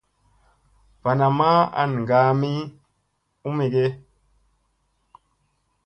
Va namma an ngaam ni u mige.